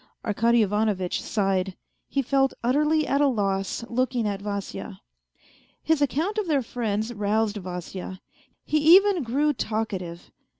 Arkady Ivanovitch sighed. He felt utterly at a loss, looking at Vasya. His account of their friends roused Vasya. He even grew talkative.